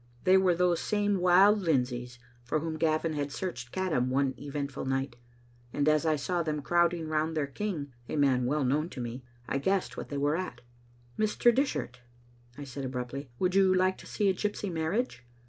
They were those same wild Lindsays, for whom Gavin had searched Caddam one ■eventful night, and as I saw them crowding round their king, a man well known to me, I guessed what they were at. "Mr. Dishart," I said abruptly, "would you like to see a gypsy marriage?